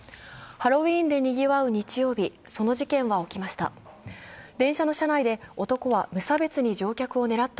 ハロウィーンでにぎわう日曜日、その事件は起きました。